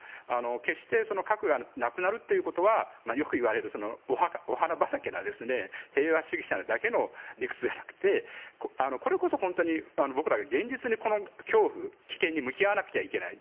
決して核がなくなるということはよくいわれるお花畑な、平和主義者なだけの理屈ではなくてこれこそ本当に僕らが現実にこの恐怖、危険に向き合わなくちゃいけない。